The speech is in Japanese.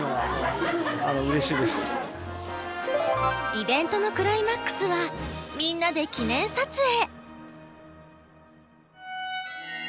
イベントのクライマックスはみんなで記念撮影。